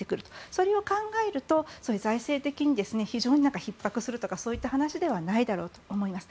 それを考えると財政的に非常にひっ迫するとかそういった話ではないだろうと思います。